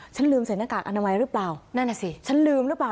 ฉันลืมใส่หน้ากากอนามัยหรือเปล่านั่นน่ะสิฉันลืมหรือเปล่า